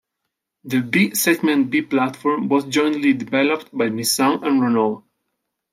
The B-segment B platform was jointly developed by Nissan and Renault.